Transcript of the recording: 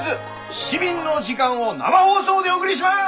「市民の時間」を生放送でお送りします！